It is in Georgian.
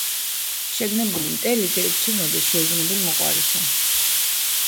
შეგნებული მტერი გირჩევნოდეს, შეუგნებელ მოყვარესო.